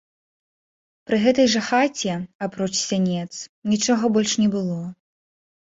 Пры гэтай жа хаце, апроч сянец, нічога больш не было.